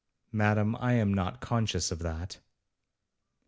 'Madam, I am not conscious of that.'